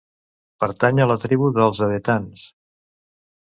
Pertany a la tribu dels edetans.